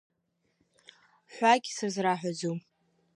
Ҳәагь сызраҳәаӡом.